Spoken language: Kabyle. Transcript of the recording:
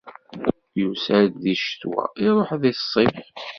Yusa-d deg ccetwa, iruḥ deg ṣṣif.